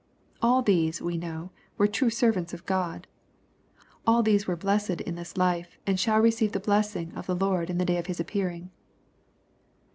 All these, we know, were true servants of God. All these were blessed in this life, and shall receive the blessing of the Lord in the day of His appearing.